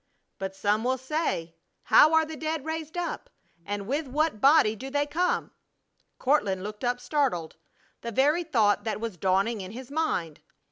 "But some will say, How are the dead raised up? And with what body do they come?" Courtland looked up, startled. The very thought that was dawning in his mind!